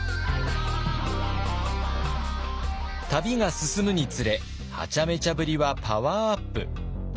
旅が進むにつれはちゃめちゃぶりはパワーアップ。